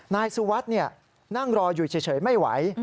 นายสุวัสดิ์นั่งรออยู่เฉยไม่ไหว